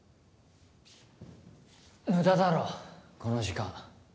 無駄だろこの時間